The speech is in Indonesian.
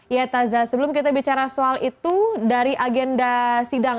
ya taza sebelum kita bicara soal itu dari agenda sidang